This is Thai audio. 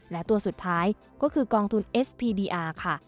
และตัวสุดท้ายก็คือกองทุนเอสพีดีอาร์ค่ะ